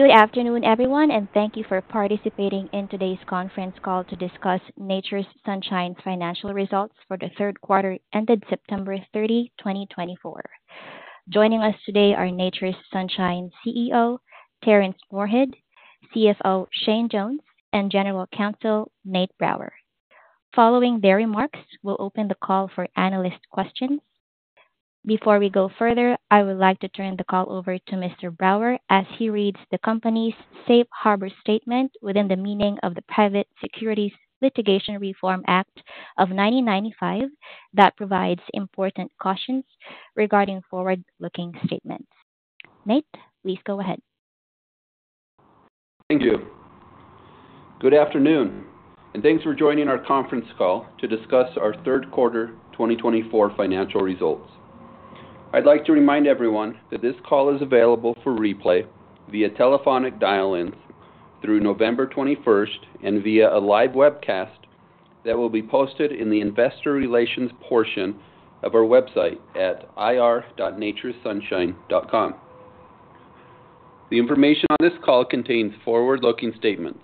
Good afternoon, everyone, and thank you for participating in today's conference call to discuss Nature's Sunshine's financial results for the third quarter ended September 30, 2024. Joining us today are Nature's Sunshine CEO, Terrence Moorehead, CFO, Shane Jones, and General Counsel Nate Brower. Following their remarks, we'll open the call for analyst questions. Before we go further, I would like to turn the call over to Mr. Brower as he reads the company's safe harbor statement within the meaning of the Private Securities Litigation Reform Act of 1995 that provides important cautions regarding forward-looking statements. Nate, please go ahead. Thank you. Good afternoon, and thanks for joining our conference call to discuss our third quarter 2024 financial results. I'd like to remind everyone that this call is available for replay via telephonic dial-ins through November 21st and via a live webcast that will be posted in the investor relations portion of our website at ir.naturesunshine.com. The information on this call contains forward-looking statements.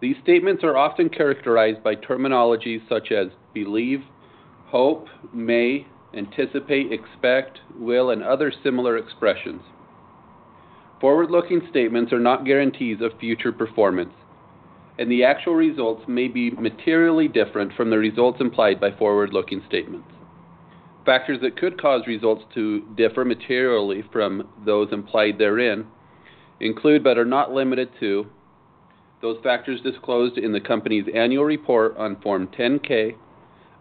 These statements are often characterized by terminologies such as believe, hope, may, anticipate, expect, will, and other similar expressions. Forward-looking statements are not guarantees of future performance, and the actual results may be materially different from the results implied by forward-looking statements. Factors that could cause results to differ materially from those implied therein include, but are not limited to, those factors disclosed in the company's annual report on Form 10-K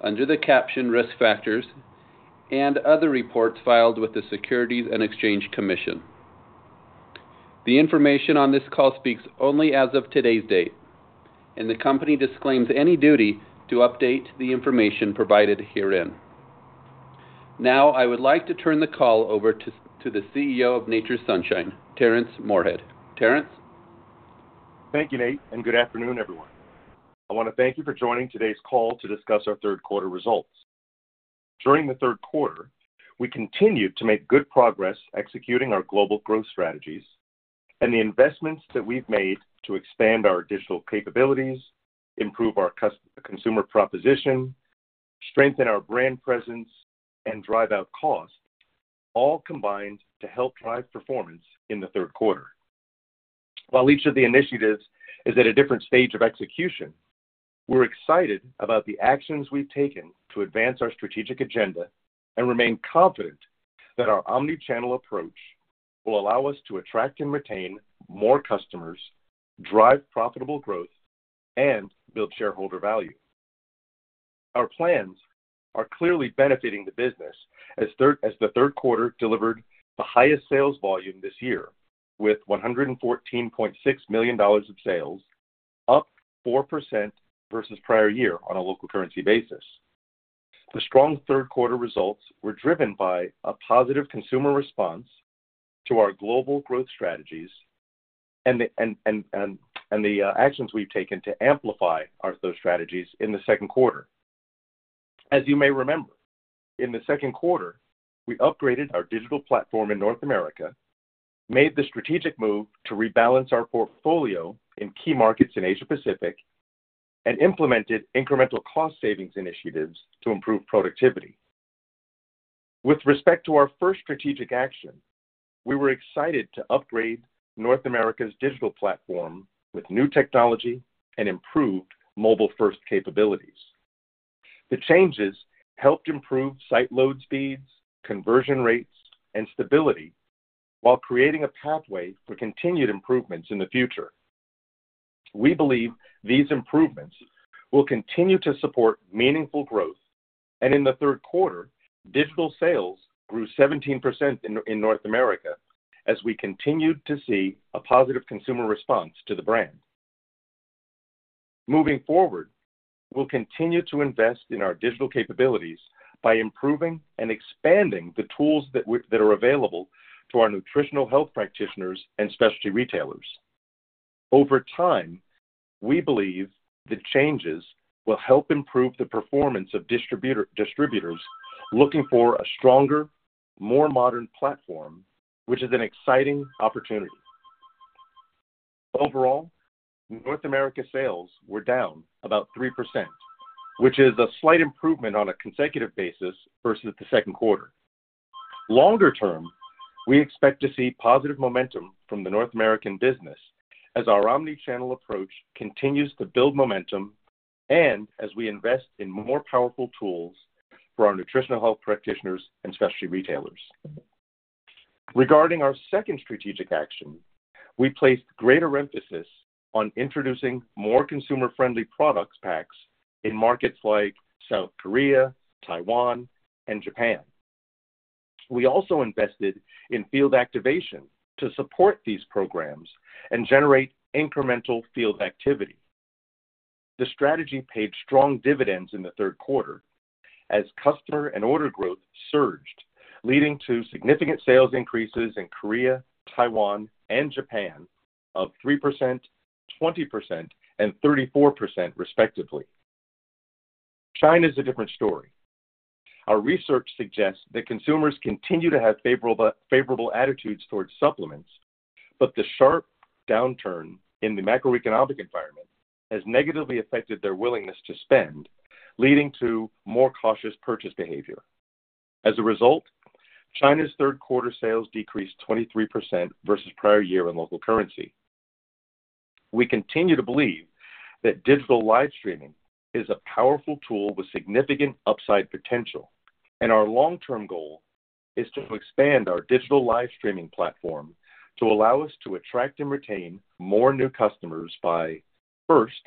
under the caption risk factors and other reports filed with the Securities and Exchange Commission. The information on this call speaks only as of today's date, and the company disclaims any duty to update the information provided herein. Now, I would like to turn the call over to the CEO of Nature's Sunshine, Terrence Moorehead. Terrence. Thank you, Nate, and good afternoon, everyone. I want to thank you for joining today's call to discuss our third quarter results. During the third quarter, we continued to make good progress executing our global growth strategies and the investments that we've made to expand our digital capabilities, improve our consumer proposition, strengthen our brand presence, and drive out costs, all combined to help drive performance in the third quarter. While each of the initiatives is at a different stage of execution, we're excited about the actions we've taken to advance our strategic agenda and remain confident that our omnichannel approach will allow us to attract and retain more customers, drive profitable growth, and build shareholder value. Our plans are clearly benefiting the business as the third quarter delivered the highest sales volume this year with $114.6 million of sales, up 4% versus prior year on a local currency basis. The strong third quarter results were driven by a positive consumer response to our global growth strategies and the actions we've taken to amplify those strategies in the second quarter. As you may remember, in the second quarter, we upgraded our digital platform in North America, made the strategic move to rebalance our portfolio in key markets in Asia-Pacific, and implemented incremental cost savings initiatives to improve productivity. With respect to our first strategic action, we were excited to upgrade North America's digital platform with new technology and improved mobile-first capabilities. The changes helped improve site load speeds, conversion rates, and stability while creating a pathway for continued improvements in the future. We believe these improvements will continue to support meaningful growth, and in the third quarter, digital sales grew 17% in North America as we continued to see a positive consumer response to the brand. Moving forward, we'll continue to invest in our digital capabilities by improving and expanding the tools that are available to our nutritional health practitioners and specialty retailers. Over time, we believe the changes will help improve the performance of distributors looking for a stronger, more modern platform, which is an exciting opportunity. Overall, North America sales were down about 3%, which is a slight improvement on a consecutive basis versus the second quarter. Longer term, we expect to see positive momentum from the North American business as our omnichannel approach continues to build momentum and as we invest in more powerful tools for our nutritional health practitioners and specialty retailers. Regarding our second strategic action, we placed greater emphasis on introducing more consumer-friendly products packs in markets like South Korea, Taiwan, and Japan. We also invested in field activation to support these programs and generate incremental field activity. The strategy paid strong dividends in the third quarter as customer and order growth surged, leading to significant sales increases in Korea, Taiwan, and Japan of 3%, 20%, and 34%, respectively. China is a different story. Our research suggests that consumers continue to have favorable attitudes towards supplements, but the sharp downturn in the macroeconomic environment has negatively affected their willingness to spend, leading to more cautious purchase behavior. As a result, China's third quarter sales decreased 23% versus prior year in local currency. We continue to believe that digital live streaming is a powerful tool with significant upside potential, and our long-term goal is to expand our digital live streaming platform to allow us to attract and retain more new customers by, first,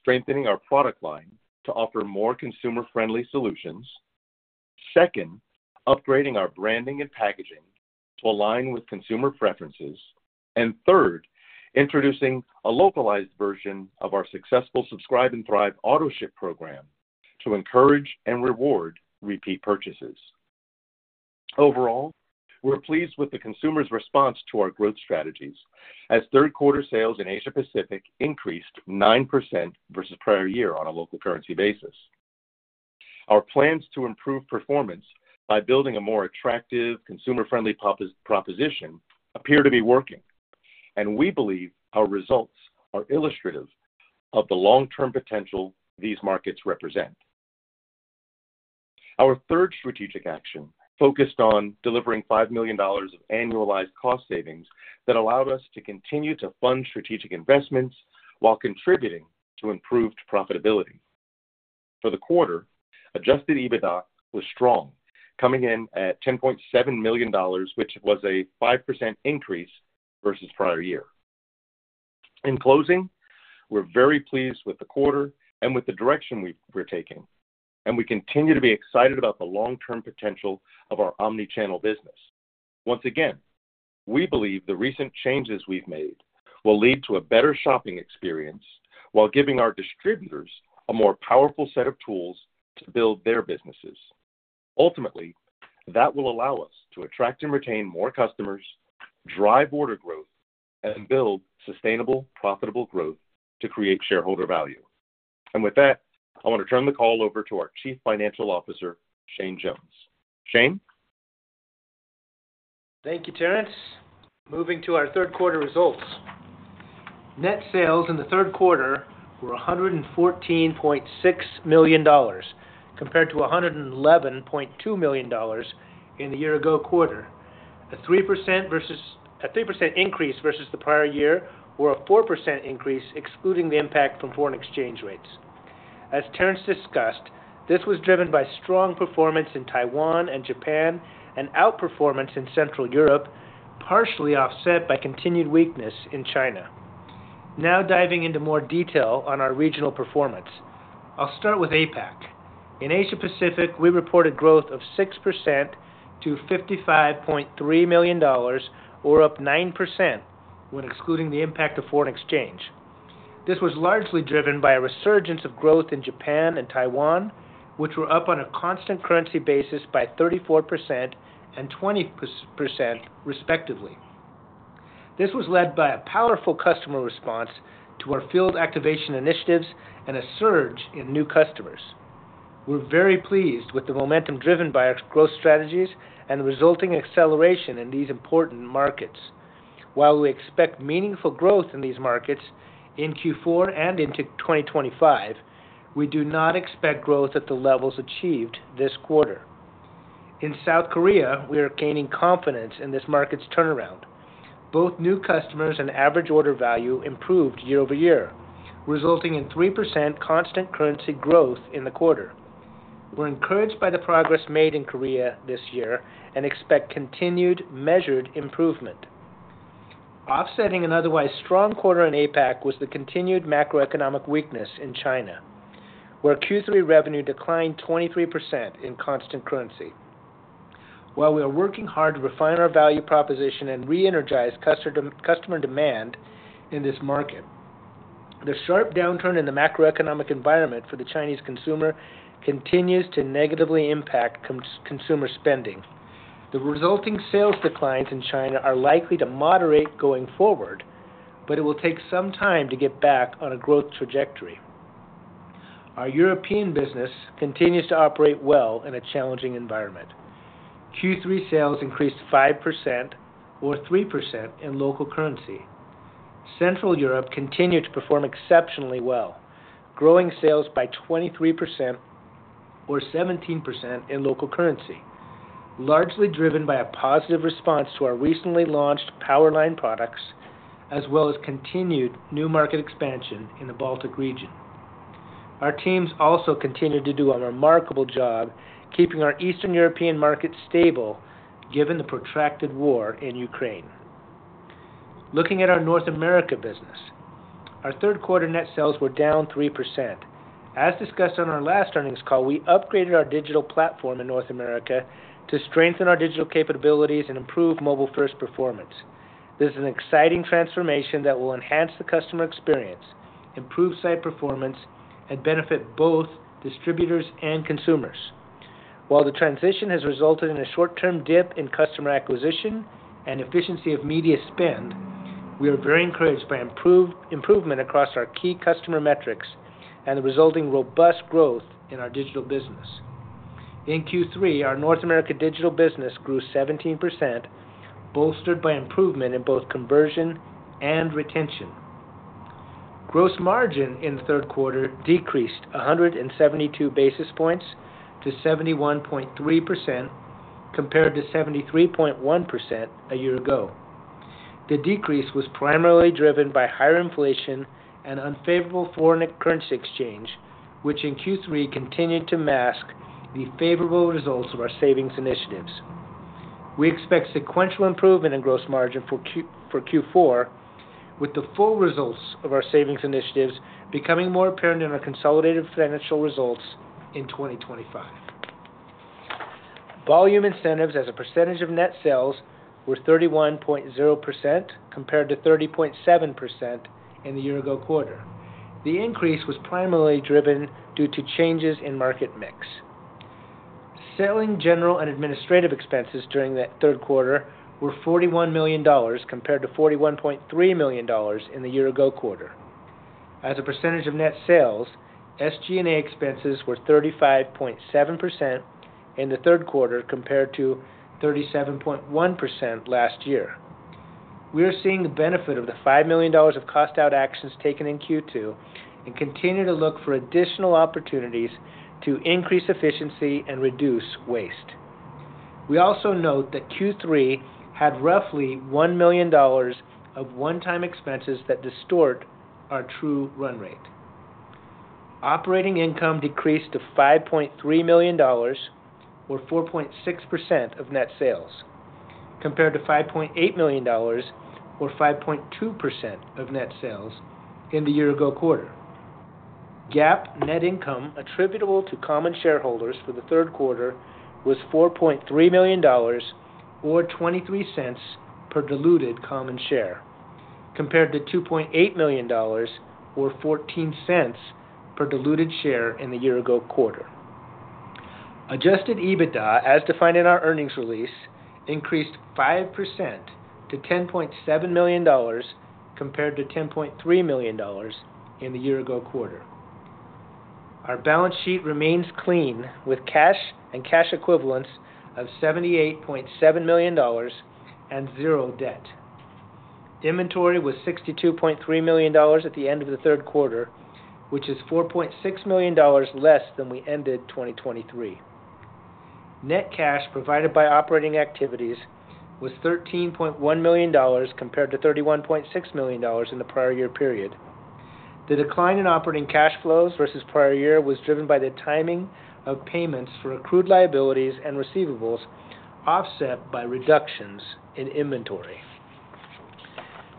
strengthening our product line to offer more consumer-friendly solutions, second, upgrading our branding and packaging to align with consumer preferences, and third, introducing a localized version of our successful Subscribe & Thrive auto-ship program to encourage and reward repeat purchases. Overall, we're pleased with the consumer's response to our growth strategies as third quarter sales in Asia-Pacific increased 9% versus prior year on a local currency basis. Our plans to improve performance by building a more attractive consumer-friendly proposition appear to be working, and we believe our results are illustrative of the long-term potential these markets represent. Our third strategic action focused on delivering $5 million of annualized cost savings that allowed us to continue to fund strategic investments while contributing to improved profitability. For the quarter, Adjusted EBITDA was strong, coming in at $10.7 million, which was a 5% increase versus prior year. In closing, we're very pleased with the quarter and with the direction we're taking, and we continue to be excited about the long-term potential of our omnichannel business. Once again, we believe the recent changes we've made will lead to a better shopping experience while giving our distributors a more powerful set of tools to build their businesses. Ultimately, that will allow us to attract and retain more customers, drive order growth, and build sustainable, profitable growth to create shareholder value. And with that, I want to turn the call over to our Chief Financial Officer, Shane Jones. Shane? Thank you, Terrence. Moving to our third quarter results. Net sales in the third quarter were $114.6 million compared to $111.2 million in the year-ago quarter. A 3% increase versus the prior year or a 4% increase excluding the impact from foreign exchange rates. As Terrence discussed, this was driven by strong performance in Taiwan and Japan and outperformance in Central Europe, partially offset by continued weakness in China. Now diving into more detail on our regional performance, I'll start with APAC. In Asia-Pacific, we reported growth of 6% to $55.3 million or up 9% when excluding the impact of foreign exchange. This was largely driven by a resurgence of growth in Japan and Taiwan, which were up on a constant currency basis by 34% and 20%, respectively. This was led by a powerful customer response to our field activation initiatives and a surge in new customers. We're very pleased with the momentum driven by our growth strategies and the resulting acceleration in these important markets. While we expect meaningful growth in these markets in Q4 and into 2025, we do not expect growth at the levels achieved this quarter. In South Korea, we are gaining confidence in this market's turnaround. Both new customers and average order value improved year over year, resulting in 3% constant currency growth in the quarter. We're encouraged by the progress made in Korea this year and expect continued measured improvement. Offsetting an otherwise strong quarter in APAC was the continued macroeconomic weakness in China, where Q3 revenue declined 23% in constant currency. While we are working hard to refine our value proposition and re-energize customer demand in this market, the sharp downturn in the macroeconomic environment for the Chinese consumer continues to negatively impact consumer spending. The resulting sales declines in China are likely to moderate going forward, but it will take some time to get back on a growth trajectory. Our European business continues to operate well in a challenging environment. Q3 sales increased 5% or 3% in local currency. Central Europe continued to perform exceptionally well, growing sales by 23% or 17% in local currency, largely driven by a positive response to our recently launched Power Line products as well as continued new market expansion in the Baltic region. Our teams also continue to do a remarkable job keeping our Eastern European market stable given the protracted war in Ukraine. Looking at our North America business, our third quarter net sales were down 3%. As discussed on our last earnings call, we upgraded our digital platform in North America to strengthen our digital capabilities and improve mobile-first performance. This is an exciting transformation that will enhance the customer experience, improve site performance, and benefit both distributors and consumers. While the transition has resulted in a short-term dip in customer acquisition and efficiency of media spend, we are very encouraged by improvement across our key customer metrics and the resulting robust growth in our digital business. In Q3, our North America digital business grew 17%, bolstered by improvement in both conversion and retention. Gross margin in the third quarter decreased 172 basis points to 71.3% compared to 73.1% a year ago. The decrease was primarily driven by higher inflation and unfavorable foreign currency exchange, which in Q3 continued to mask the favorable results of our savings initiatives. We expect sequential improvement in gross margin for Q4, with the full results of our savings initiatives becoming more apparent in our consolidated financial results in 2025. Volume incentives as a percentage of net sales were 31.0% compared to 30.7% in the year-ago quarter. The increase was primarily driven due to changes in market mix. Selling general and administrative expenses during that third quarter were $41 million compared to $41.3 million in the year-ago quarter. As a percentage of net sales, SG&A expenses were 35.7% in the third quarter compared to 37.1% last year. We are seeing the benefit of the $5 million of cost-out actions taken in Q2 and continue to look for additional opportunities to increase efficiency and reduce waste. We also note that Q3 had roughly $1 million of one-time expenses that distort our true run rate. Operating income decreased to $5.3 million or 4.6% of net sales compared to $5.8 million or 5.2% of net sales in the year-ago quarter. GAAP net income attributable to common shareholders for the third quarter was $4.3 million or $0.23 per diluted common share compared to $2.8 million or $0.14 per diluted share in the year-ago quarter. Adjusted EBITDA, as defined in our earnings release, increased 5% to $10.7 million compared to $10.3 million in the year-ago quarter. Our balance sheet remains clean with cash and cash equivalents of $78.7 million and zero debt. Inventory was $62.3 million at the end of the third quarter, which is $4.6 million less than we ended 2023. Net cash provided by operating activities was $13.1 million compared to $31.6 million in the prior year period. The decline in operating cash flows versus prior year was driven by the timing of payments for accrued liabilities and receivables offset by reductions in inventory.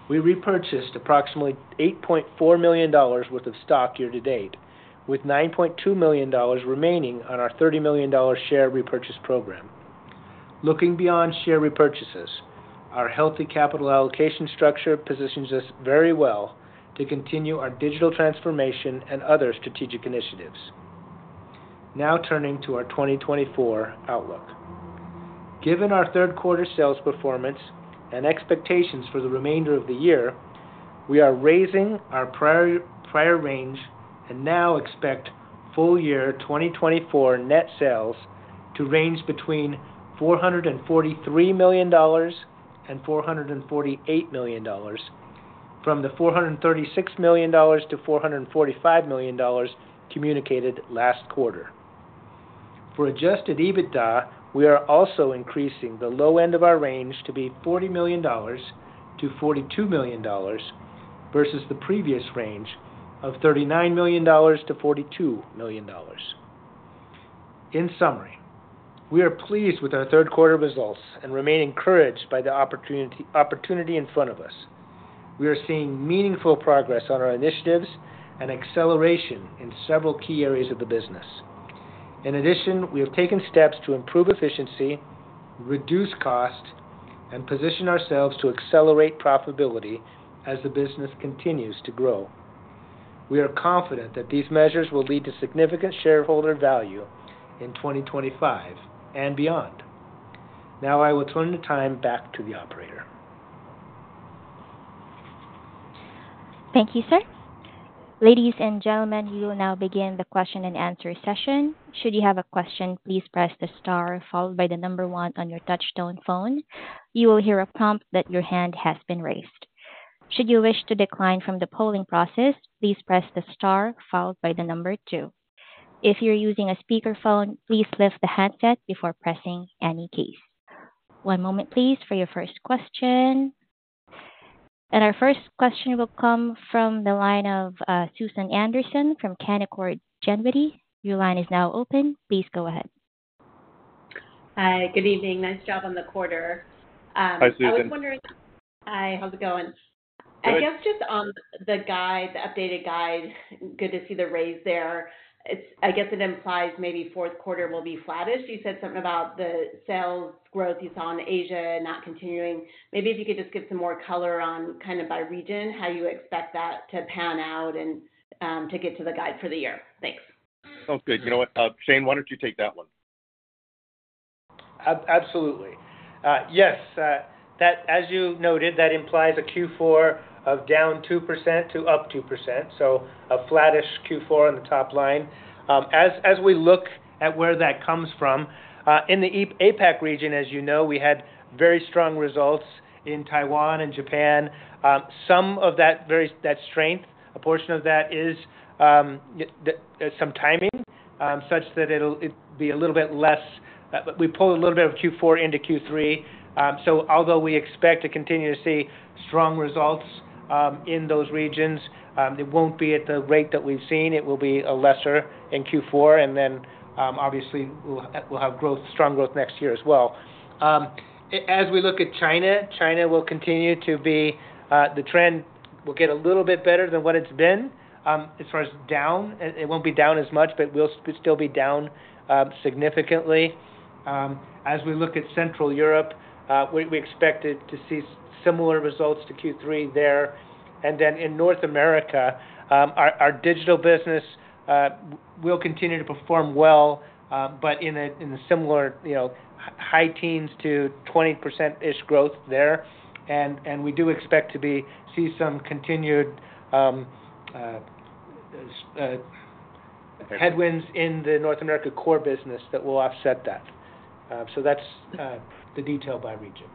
We repurchased approximately $8.4 million worth of stock year-to-date, with $9.2 million remaining on our $30 million share repurchase program. Looking beyond share repurchases, our healthy capital allocation structure positions us very well to continue our digital transformation and other strategic initiatives. Now turning to our 2024 outlook. Given our third quarter sales performance and expectations for the remainder of the year, we are raising our prior range and now expect full year 2024 net sales to range between $443 million and $448 million from the $436 million to $445 million communicated last quarter. For Adjusted EBITDA, we are also increasing the low end of our range to be $40 million to $42 million versus the previous range of $39 million to $42 million. In summary, we are pleased with our third quarter results and remain encouraged by the opportunity in front of us. We are seeing meaningful progress on our initiatives and acceleration in several key areas of the business. In addition, we have taken steps to improve efficiency, reduce cost, and position ourselves to accelerate profitability as the business continues to grow. We are confident that these measures will lead to significant shareholder value in 2025 and beyond. Now I will turn the time back to the operator. Thank you, sir. Ladies and gentlemen, we will now begin the question and answer session. Should you have a question, please press the star followed by the number one on your touch-tone phone. You will hear a prompt that your hand has been raised. Should you wish to decline from the polling process, please press the star followed by the number two. If you're using a speakerphone, please lift the handset before pressing any keys. One moment, please, for your first question, and our first question will come from the line of Susan Anderson from Canaccord Genuity. Your line is now open. Please go ahead. Hi, good evening. Nice job on the quarter. Hi, Susan. Hi, how's it going? Hi. I guess just on the updated guide, good to see the raise there. I guess it implies maybe fourth quarter will be flattish. You said something about the sales growth you saw in Asia not continuing. Maybe if you could just give some more color on kind of by region, how you expect that to pan out and to get to the guide for the year? Thanks. Sounds good. You know what, Shane, why don't you take that one? Absolutely. Yes, as you noted, that implies a Q4 of down 2% to up 2%, so a flattish Q4 on the top line. As we look at where that comes from, in the APAC region, as you know, we had very strong results in Taiwan and Japan. Some of that strength, a portion of that, is some timing such that it'll be a little bit less. We pull a little bit of Q4 into Q3. So although we expect to continue to see strong results in those regions, it won't be at the rate that we've seen. It will be lesser in Q4, and then, obviously, we'll have strong growth next year as well. As we look at China, China will continue to be. The trend will get a little bit better than what it's been as far as down. It won't be down as much, but we'll still be down significantly. As we look at Central Europe, we expect to see similar results to Q3 there. And then in North America, our digital business will continue to perform well, but in the similar high teens to 20%-ish growth there. And we do expect to see some continued headwinds in the North America core business that will offset that. So that's the detail by region.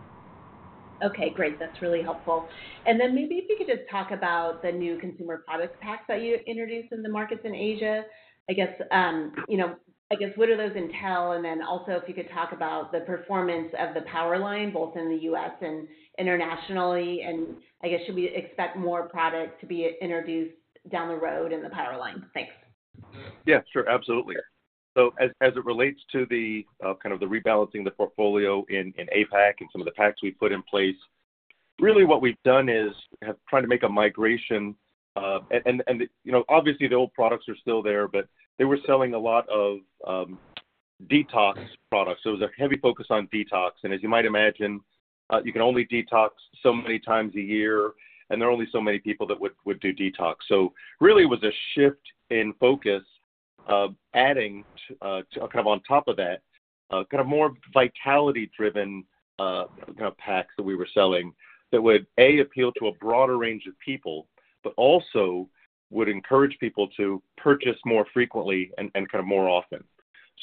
Okay, great. That's really helpful. And then maybe if you could just talk about the new consumer products packs that you introduced in the markets in Asia. I guess what do those entail? And then also if you could talk about the performance of the Power Line, both in the U.S. and internationally. And I guess should we expect more products to be introduced down the road in the Power Line? Thanks. Yeah, sure. Absolutely, so as it relates to the kind of the rebalancing of the portfolio in APAC and some of the packs we put in place, really what we've done is trying to make a migration, and obviously, the old products are still there, but they were selling a lot of detox products. There was a heavy focus on detox, and as you might imagine, you can only detox so many times a year, and there are only so many people that would do detox, so really, it was a shift in focus adding kind of on top of that kind of more vitality-driven kind of packs that we were selling that would, A, appeal to a broader range of people, but also would encourage people to purchase more frequently and kind of more often,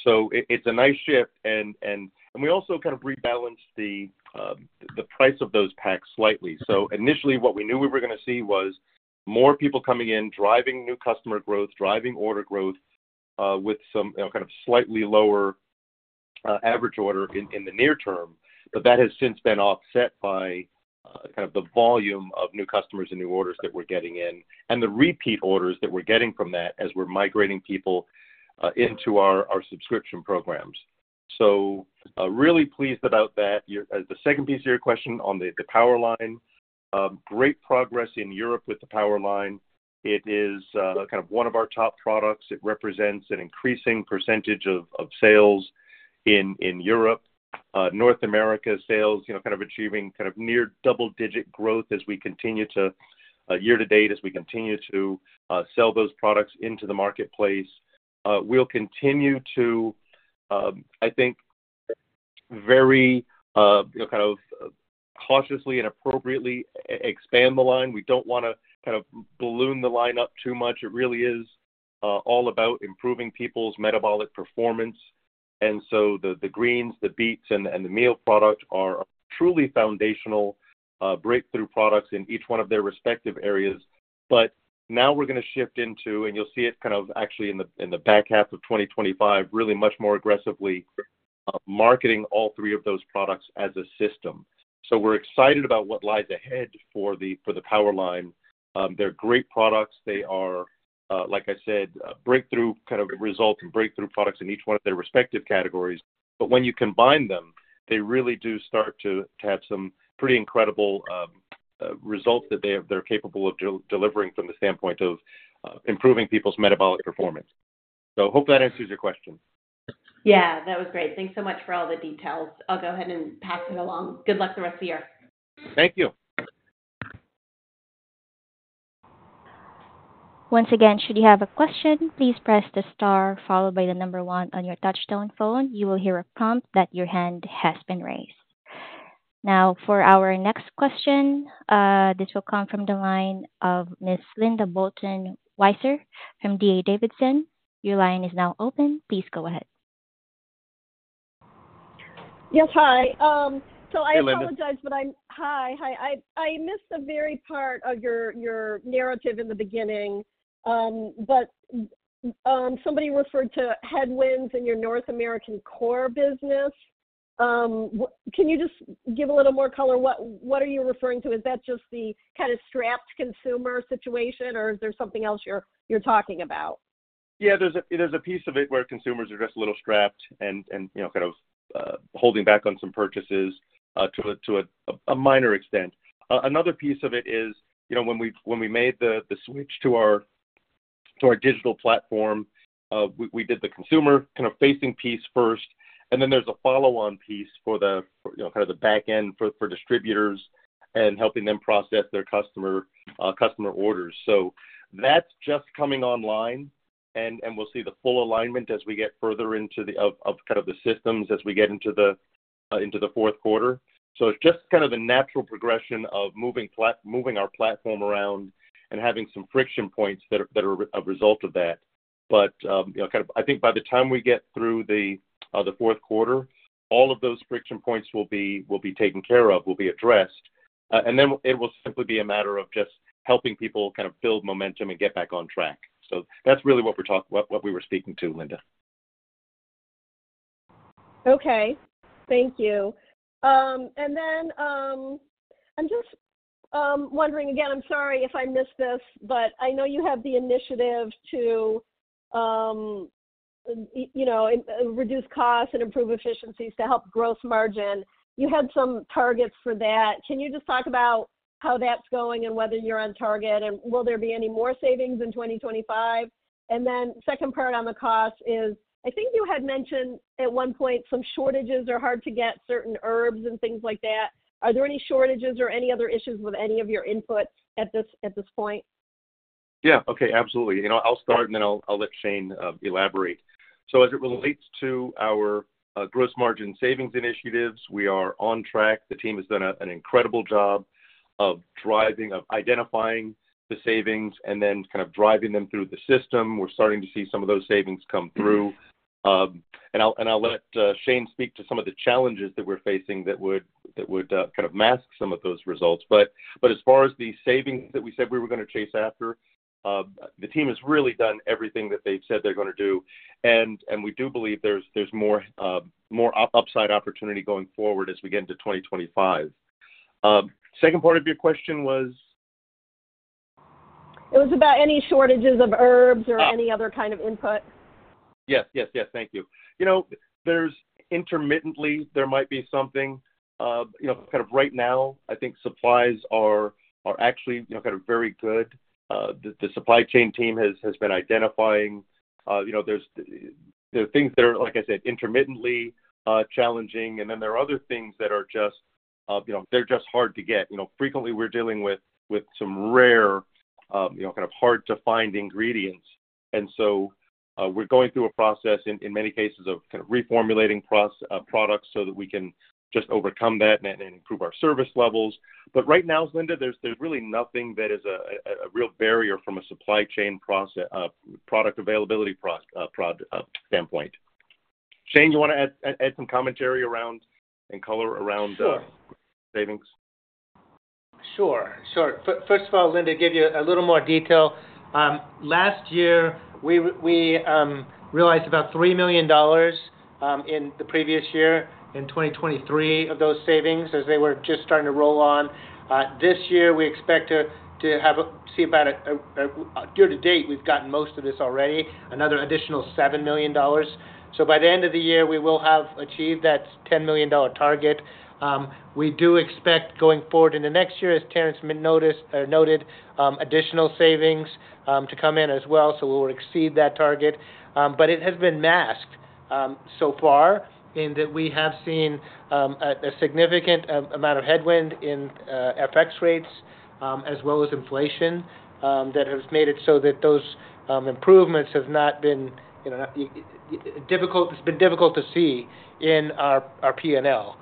so it's a nice shift. We also kind of rebalanced the price of those packs slightly. Initially, what we knew we were going to see was more people coming in, driving new customer growth, driving order growth with some kind of slightly lower average order in the near term. That has since been offset by kind of the volume of new customers and new orders that we're getting in and the repeat orders that we're getting from that as we're migrating people into our subscription programs. Really pleased about that. The second piece of your question on the Power Line, great progress in Europe with the Power Line. It is kind of one of our top products. It represents an increasing percentage of sales in Europe. North America sales kind of achieving kind of near double-digit growth year-to-date as we continue to sell those products into the marketplace. We'll continue to, I think, very kind of cautiously and appropriately expand the line. We don't want to kind of balloon the line up too much. It really is all about improving people's metabolic performance, and so the greens, the beets, and the meal product are truly foundational breakthrough products in each one of their respective areas, but now we're going to shift into, and you'll see it kind of actually in the back half of 2025, really much more aggressively marketing all three of those products as a system. So we're excited about what lies ahead for the Powerline. They're great products. They are, like I said, breakthrough kind of results and breakthrough products in each one of their respective categories, but when you combine them, they really do start to have some pretty incredible results that they're capable of delivering from the standpoint of improving people's metabolic performance. So I hope that answers your question. Yeah, that was great. Thanks so much for all the details. I'll go ahead and pass it along. Good luck the rest of the year. Thank you. Once again, should you have a question, please press the star followed by the number one on your touch-tone phone. You will hear a prompt that your hand has been raised. Now, for our next question, this will come from the line of Ms. Linda Bolton Weiser from D.A. Davidson. Your line is now open. Please go ahead. Yes, hi. So I apologize. Hello, Linda. I missed the very part of your narrative in the beginning, but somebody referred to headwinds in your North American core business. Can you just give a little more color? What are you referring to? Is that just the kind of strapped consumer situation, or is there something else you're talking about? Yeah, there's a piece of it where consumers are just a little strapped and kind of holding back on some purchases to a minor extent. Another piece of it is when we made the switch to our digital platform, we did the consumer kind of facing piece first. And then there's a follow-on piece for kind of the back end for distributors and helping them process their customer orders. So that's just coming online, and we'll see the full alignment as we get further into the kind of the systems as we get into the fourth quarter. So it's just kind of a natural progression of moving our platform around and having some friction points that are a result of that. But kind of I think by the time we get through the fourth quarter, all of those friction points will be taken care of, will be addressed. Then it will simply be a matter of just helping people kind of build momentum and get back on track. That's really what we were speaking to, Linda. Okay. Thank you. And then I'm just wondering again. I'm sorry if I missed this, but I know you have the initiative to reduce costs and improve efficiencies to help gross margin. You had some targets for that. Can you just talk about how that's going and whether you're on target, and will there be any more savings in 2025? And then second part on the cost is I think you had mentioned at one point some shortages or hard to get certain herbs and things like that. Are there any shortages or any other issues with any of your inputs at this point? Yeah. Okay. Absolutely. I'll start, and then I'll let Shane elaborate. So as it relates to our gross margin savings initiatives, we are on track. The team has done an incredible job of identifying the savings and then kind of driving them through the system. We're starting to see some of those savings come through. And I'll let Shane speak to some of the challenges that we're facing that would kind of mask some of those results. But as far as the savings that we said we were going to chase after, the team has really done everything that they've said they're going to do. And we do believe there's more upside opportunity going forward as we get into 2025. Second part of your question was? It was about any shortages of herbs or any other kind of input? Yes, yes, yes. Thank you. There's intermittently, there might be something. Kind of right now, I think supplies are actually kind of very good. The supply chain team has been identifying. There are things that are, like I said, intermittently challenging. And then there are other things that are just they're just hard to get. Frequently, we're dealing with some rare kind of hard-to-find ingredients. And so we're going through a process in many cases of kind of reformulating products so that we can just overcome that and improve our service levels. But right now, Linda, there's really nothing that is a real barrier from a supply chain product availability standpoint. Shane, you want to add some commentary around and color around savings? Sure. Sure. First of all, Linda, give you a little more detail. Last year, we realized about $3 million in the previous year in 2023 of those savings as they were just starting to roll on. This year, we expect to see about a year to date, we've gotten most of this already, another additional $7 million. So by the end of the year, we will have achieved that $10 million target. We do expect going forward in the next year, as Terrence noted, additional savings to come in as well. So we will exceed that target. But it has been masked so far in that we have seen a significant amount of headwind in FX rates as well as inflation that has made it so that those improvements have not been difficult. It's been difficult to see in our P&L.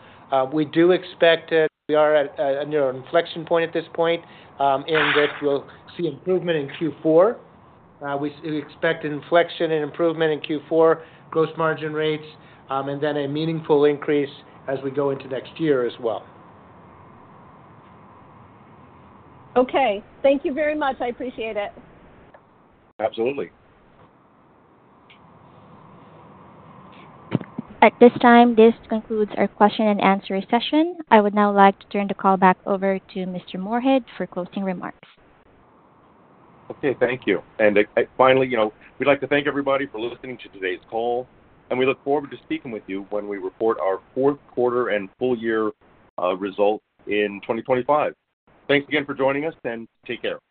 We do expect that we are at a near inflection point at this point in that we'll see improvement in Q4. We expect inflection and improvement in Q4 gross margin rates and then a meaningful increase as we go into next year as well. Okay. Thank you very much. I appreciate it. Absolutely. At this time, this concludes our question and answer session. I would now like to turn the call back over to Mr. Moorehead for closing remarks. Okay. Thank you. Finally, we'd like to thank everybody for listening to today's call. We look forward to speaking with you when we report our fourth quarter and full year results in 2025. Thanks again for joining us, and take care.